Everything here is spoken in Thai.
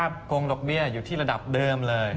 โกงดอกเบี้ยอยู่ที่ระดับเดิมเลย